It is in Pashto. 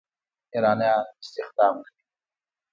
ایرانیان استخدام کړي.